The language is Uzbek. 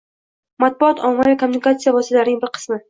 Matbuot – ommaviy kommunikatsiya vositalarining bir qismi.